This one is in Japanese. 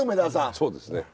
そうですね。